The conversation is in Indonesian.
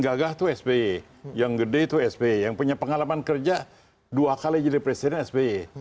gagah tuh sbe yang gede itu sbe yang punya pengalaman kerja dua kali jadi presiden sbe